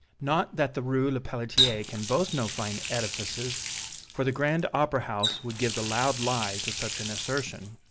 Not that the Rue Lepelletier can boast no fine edifices, for the grand opera house would give the loud lie to such an assertion.